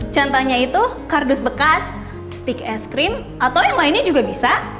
contohnya itu kardus bekas stick es krim atau yang lainnya juga bisa